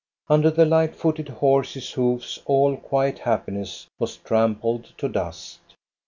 Under the light footed horses' hoofs all quiet happiness was trampled to dust.